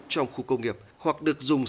trong khu công nghiệp hoặc được dùng